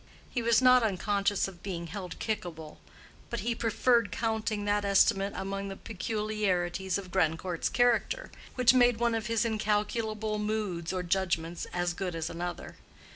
He was not unconscious of being held kickable, but he preferred counting that estimate among the peculiarities of Grandcourt's character, which made one of his incalculable moods or judgments as good as another.